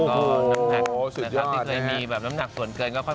โอ้โฮสุดยอดนะครับที่เคยมีแบบน้ำหนักส่วนเกินโอ้โฮสุดยอดนะครับ